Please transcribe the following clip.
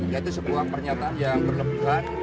yaitu sebuah pernyataan yang berlebihan